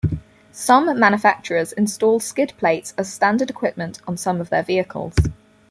Some manufacturers install skid plates as standard equipment on some of their vehicles.